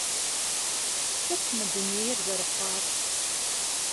Сыт мы дунейр зэрыхъуар?